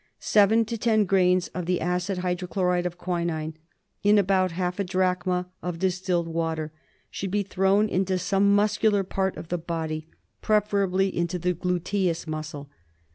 Seven to ten grains of the acid hydrochloride of quinine in about half a drachm of distilled water should be thrown into some muscular part of the body — preferably into the gluteus muscle.